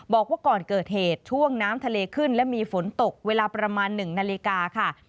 บอกว่าก่อนเกิดเหตุช่วงน้ำทะเลขึ้นและมีฝนตกเวลาประมาณ๑นาฬิกาค่ะ